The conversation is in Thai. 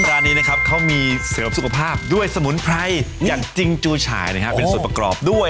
ร้านนี้เขามีสุขภาพด้วยสมุนไพรซุดประกรอบด้วย